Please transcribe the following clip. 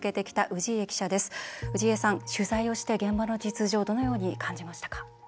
氏家さん、取材をして現場の実情どのように感じましたか？